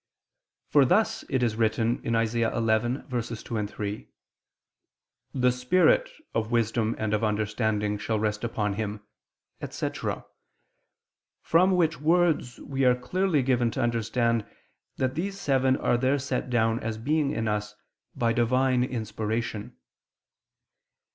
For thus it is written (Isa. 11:2, 3): "The spirit ... of wisdom and of understanding ... shall rest upon him," etc.: from which words we are clearly given to understand that these seven are there set down as being in us by Divine inspiration.